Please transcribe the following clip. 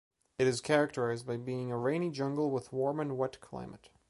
It is characterized by being a rainy jungle with warm and wet climate.